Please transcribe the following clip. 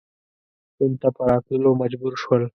هند ته په راتللو مجبور شول.